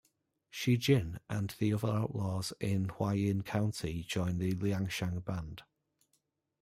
Shi Jin and the other outlaws in Huayin County join the Liangshan band.